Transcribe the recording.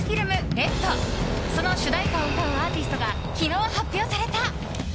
その主題歌を歌うアーティストが昨日、発表された。